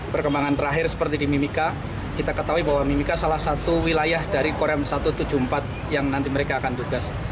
perkembangan terakhir seperti di mimika kita ketahui bahwa mimika salah satu wilayah dari korem satu ratus tujuh puluh empat yang nanti mereka akan tugas